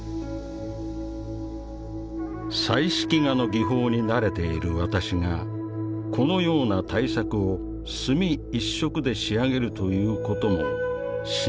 「彩色画の技法に慣れている私がこのような大作を墨一色で仕上げるということも至難の業である。